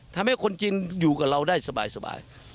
ทำให้คนจีนอยู่กับเราได้สบาย